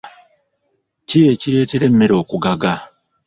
Ki ekireetera emmere okugaga?